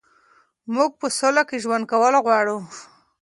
موږ په سوله کې ژوند کول غواړو.